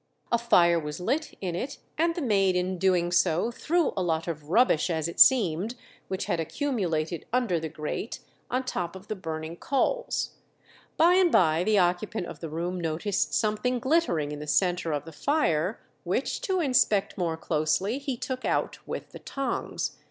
A fire was lit in it, and the maid in doing so threw a lot of rubbish, as it seemed, which had accumulated under the grate, on top of the burning coals. By and by the occupant of the room noticed something glittering in the centre of the fire, which, to inspect more closely, he took out with the tongs.